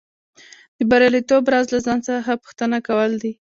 د بریالیتوب راز له ځان څخه پوښتنه کول دي